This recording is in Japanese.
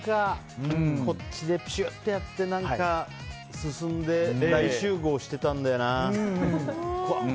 こっちでプシュッとやって進んで大集合してたんだよな。